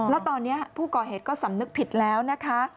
แล้วตอนนี้ผู้ก่อเหตุก็สำนึกผิดแล้วนะคะ